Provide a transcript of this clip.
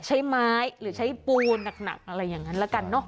ใช้ไม้หรือใช้ปูนหนักอะไรอย่างนั้นละกันเนอะ